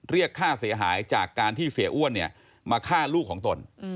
เรียกค่าเสียหายจากการที่เสียอ้วนมาฆ่าลูกของตน